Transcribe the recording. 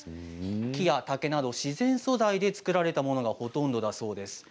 木や竹など自然素材で作られたものがほとんどだそうです。